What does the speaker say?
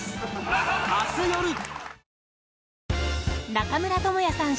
中村倫也さん